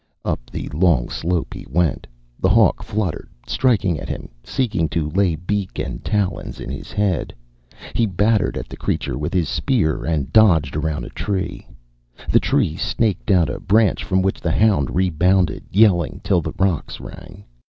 Up the long slope he went. The hawk fluttered, striking at him, seeking to lay beak and talons in his head. He batted at the creature with his spear and dodged around a tree. The tree snaked out a branch from which the hound rebounded, yelling till the rocks rang.